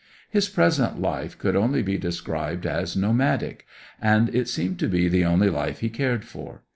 His present life could only be described as nomadic; and it seemed to be the only life he cared for.